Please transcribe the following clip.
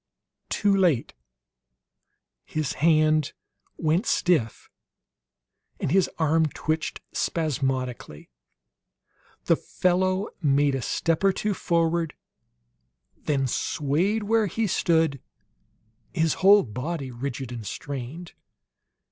Too late; his hand went stiff, and his arm twitched spasmodically. The fellow made a step or two forward, then swayed where he stood, his whole body rigid and strained.